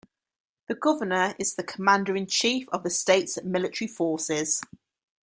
The governor is the commander-in-chief of the state's military forces.